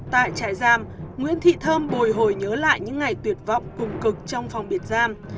tại trại giam nguyễn thị thơm bồi hồi nhớ lại những ngày tuyệt vọng cùng cực trong phòng biệt giam